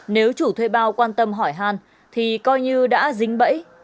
nếu chủ thuê bao quan tâm hỏi hàn thì coi như đã dính bẫy